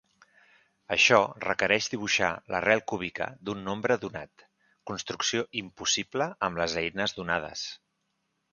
Això requereix dibuixar l'arrel cúbica d'un nombre donat, construcció impossible amb les eines donades.